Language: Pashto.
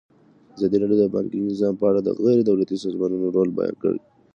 ازادي راډیو د بانکي نظام په اړه د غیر دولتي سازمانونو رول بیان کړی.